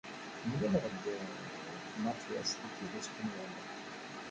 Mlaleɣ-d ed Mattias deg Spenyul.